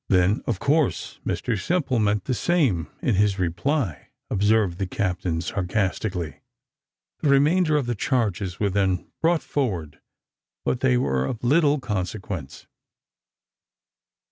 "Then, of course, Mr Simple meant the same in his reply," observed the captain sarcastically. The remainder of the charges were then brought forward; but they were of little consequence.